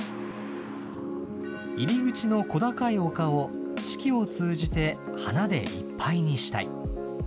入り口の小高い丘を四季を通じて花でいっぱいにしたい。